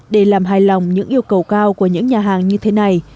để làm hài lòng những yêu cầu cao của những nhà hàng như thế này